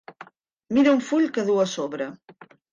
Mira un full que duu a sobre.